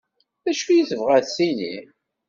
Dacu tebɣa ad tini?